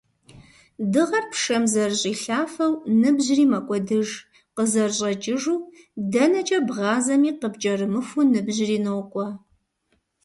Дыгъэр пшэм зэрыщӏилъафэу, ныбжьри мэкӏуэдыж, къызэрыщӏэкӏыжу - дэнэкӏэ бгъазэми, къыпкӏэрымыхуу ныбжьри нокӏуэ.